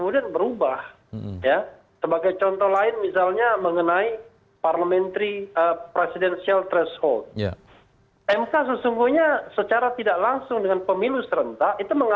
dimana ruang itu yang penting